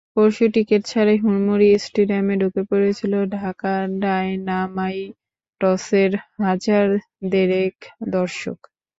পরশু টিকিট ছাড়াই হুড়মুড়িয়ে স্টেডিয়ামে ঢুকে পড়েছিল ঢাকা ডায়নামাইটসের হাজার দেড়েক দর্শক।